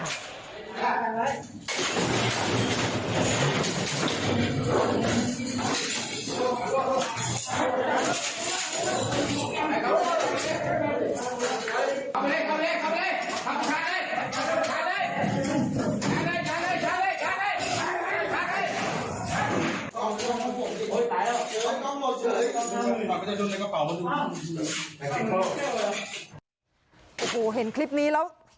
โอ้โหเห็นคลิปนี้แล้ว